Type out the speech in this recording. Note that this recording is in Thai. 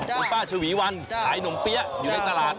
โอ้ยป้าชวีวัลสาหารหนมเปี๊ยะอยู่ในตลาด